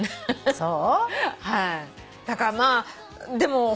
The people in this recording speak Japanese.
そう。